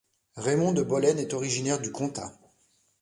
Raimon de Bollène est originaire du Comtat.